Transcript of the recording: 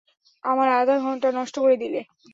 আমার আধাঘণ্টা নষ্ট করে দিলে।